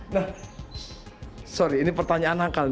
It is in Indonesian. nah sorry ini pertanyaan nakal